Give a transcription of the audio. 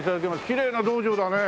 きれいな道場だね。